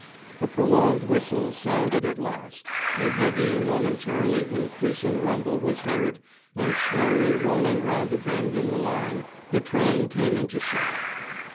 A prolonged whistle sounded at last, a heavy momentarily increasing rumble was heard, and, slowly rolling round a bend in the line, the train came into sight.